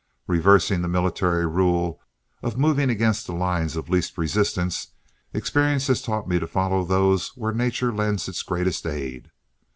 Reversing the military rule of moving against the lines of least resistance, experience has taught me to follow those where Nature lends its greatest aid.